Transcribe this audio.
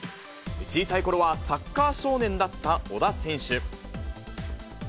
小さいころはサッカー少年だった小田選手。